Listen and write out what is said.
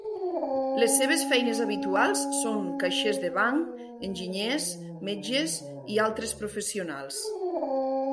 Les seves feines habituals són caixers de banc, enginyers, metges i altres professionals.